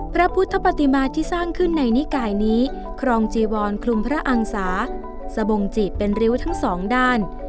พระพุทธปฏิมาที่สร้างขึ้นในนิกายนี้ครองจีวรคลุมพระอังสาสะบงจีบเป็นริ้วทั้งสองด้าน